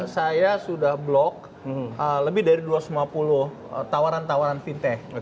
saya sudah blok lebih dari dua ratus lima puluh tawaran tawaran fintech